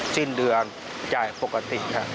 สิ้นเดือนจ่ายปกติครับ